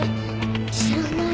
知らない。